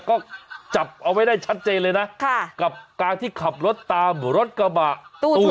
ก็จับเอาไว้ได้ชัดเจนเลยนะกับการที่ขับรถตามรถกระบะตู้